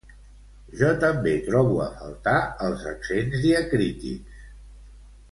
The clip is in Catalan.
Jo també trobo a faltar els accents diacrítics